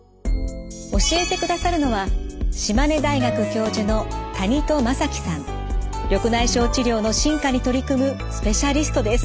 教えてくださるのは緑内障治療の進化に取り組むスペシャリストです。